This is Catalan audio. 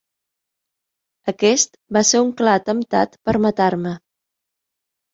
Aquest va ser un clar atemptat per matar-me.